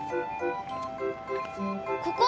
ここ！